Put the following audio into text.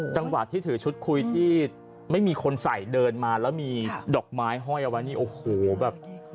จังหวะที่ถือชุดคุยที่ไม่มีคนใส่เดินมาแล้วมีดอกไม้ห้อยเอาไว้นี่โอ้โหแบบ